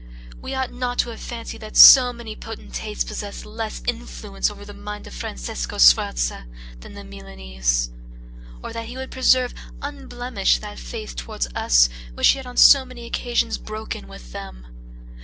We ought not to have fancied that so many potentates possessed less influence over the mind of Francesco Sforza, than the Milanese; or that he would preserve unblemished that faith towards us which he had on so many occasions broken with them.